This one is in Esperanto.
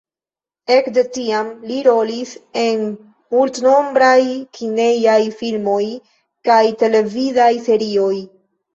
Ekde tiam li rolis en multnombraj kinejaj filmoj kaj televidaj serioj.